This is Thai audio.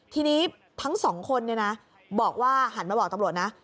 ทีนี้ทั้งสองคนบอกว่าหันมาบอกตำรวจ